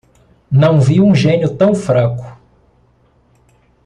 Não vi um gênio tão fraco